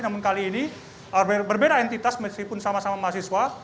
namun kali ini berbeda entitas meskipun sama sama mahasiswa